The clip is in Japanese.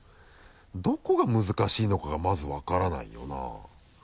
どこが難しいのかがまず分からないよな。